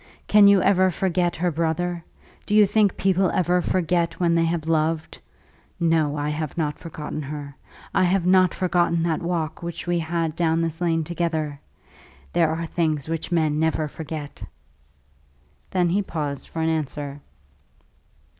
Can you ever forget her brother? Do you think people ever forget when they have loved? No, I have not forgotten her. I have not forgotten that walk which we had down this lane together. There are things which men never forget." Then he paused for an answer.